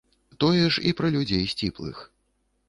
Тое ж і пра людзей сціплых.